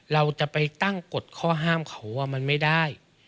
เราจะไปตั้งกฎข้อห้ามเขาว่ามันไม่ได้